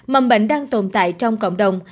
mầm bệnh đang tồn tại trong cộng đồng